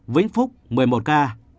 vĩnh phúc một mươi một ca